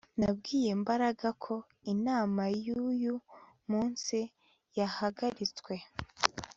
Nabwiye Mbaraga ko inama yuyu munsi yahagaritswe